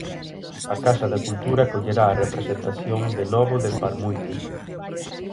A Casa da Cultura acollerá a representación de Novo de Parmuide.